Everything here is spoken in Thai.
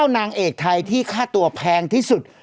นางเอกไทยที่ค่าตัวแพงที่สุด